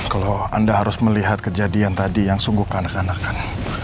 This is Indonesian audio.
kalau anda harus melihat kejadian tadi yang sungguh kanak kanakan